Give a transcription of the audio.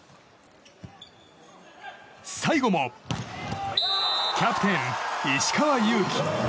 最後も、キャプテン石川祐希。